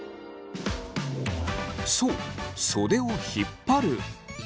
そう袖を引っ張る。